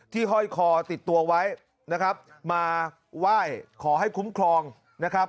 ห้อยคอติดตัวไว้นะครับมาไหว้ขอให้คุ้มครองนะครับ